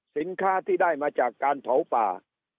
สินค้าที่ได้มาจากการเผาป่า